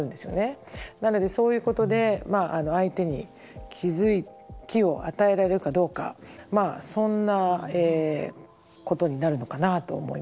なのでそういうことで相手に気付きを与えられるかどうかそんなことになるのかなと思います。